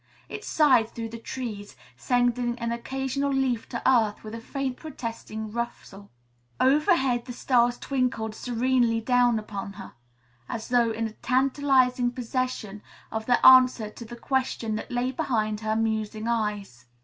It sighed through the trees, sending an occasional leaf to earth with a faint protesting rustle. Overhead the stars twinkled serenely down upon her, as though in tantalizing possession of the answer to the question that lay behind her musing eyes.